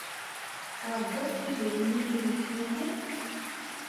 Tesɛeddaḍ tagara n yimalas yelhan?